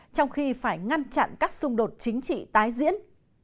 trong khi phải ngăn chặn các xung đột chính trị tái diễn